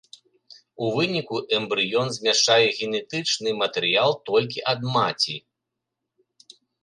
У выніку эмбрыён змяшчае генетычны матэрыял толькі ад маці.